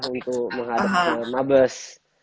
untuk menghadap ke mabes